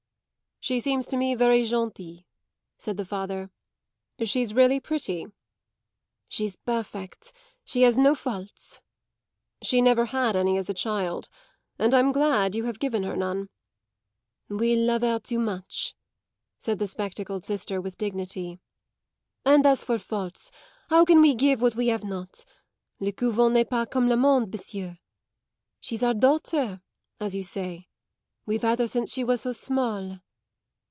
"She seems to me very gentille," said the father. "She's really pretty." "She's perfect. She has no faults." "She never had any as a child, and I'm glad you have given her none." "We love her too much," said the spectacled sister with dignity. "And as for faults, how can we give what we have not? Le couvent n'est pas comme le monde, monsieur. She's our daughter, as you may say. We've had her since she was so small."